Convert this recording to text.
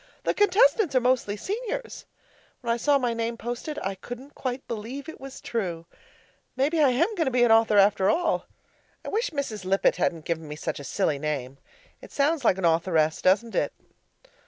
The contestants are mostly Seniors. When I saw my name posted, I couldn't quite believe it was true. Maybe I am going to be an author after all. I wish Mrs. Lippett hadn't given me such a silly name it sounds like an author ess, doesn't it?